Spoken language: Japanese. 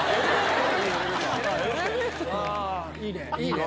いいね！